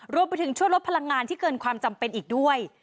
รวมไปถึงช่วยลดพลังงานที่เกินความจำเป็นอีกด้วย